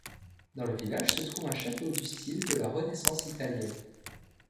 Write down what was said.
Dans le village se trouve un château du style de la Renaissance italienne.